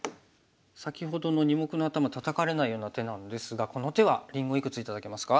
先ほどの２目の頭タタかれないような手なのですがこの手はりんごいくつ頂けますか？